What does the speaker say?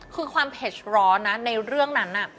คือความเผ็ดร้อนนะในเรื่องนั้น